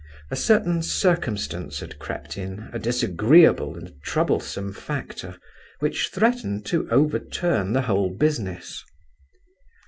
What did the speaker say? A certain circumstance had crept in, a disagreeable and troublesome factor, which threatened to overturn the whole business.